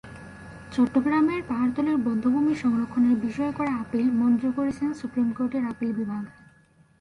চট্টগ্রামের পাহাড়তলীর বধ্যভূমি সংরক্ষণের বিষয়ে করা আপিল মঞ্জুর করেছেন সুপ্রিম কোর্টের আপিল বিভাগ।